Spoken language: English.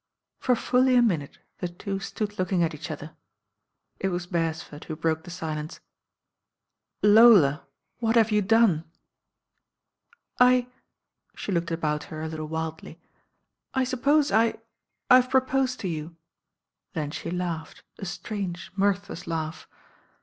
For fully a minute the two stood looking at each other. It was Beresford who broke the silence. "Lola, what have you done?" "^" she looked about her a little wildly. "I suppose I— I've proposed to you." Then' she laughed, a strange, mirthless laugh.